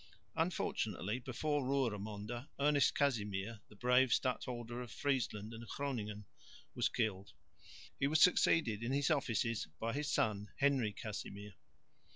Unfortunately before Roeremonde, Ernest Casimir, the brave stadholder of Friesland and Groningen, was killed. He was succeeded in his offices by his son, Henry Casimir.